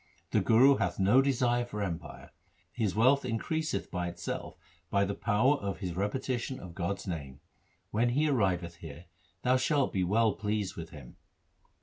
The Guru hath no desire for empire. His wealth increaseth of itself by the power of his repetition of God's name. When he arriveth here, thou shalt be well pleased with him.'